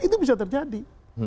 itu bisa terjadi